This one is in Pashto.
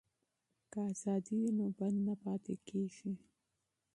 که ازادي وي نو بند نه پاتې کیږي.